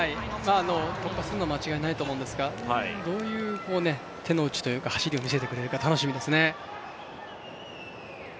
突破するのは間違いないと思うんですが、どういう手の内というか走りを見せてくれるか楽しみですね。